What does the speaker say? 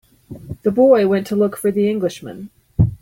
The boy went to look for the Englishman.